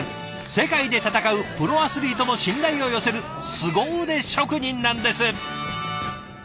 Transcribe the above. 世界で戦うプロアスリートも信頼を寄せるすご腕職人なんです。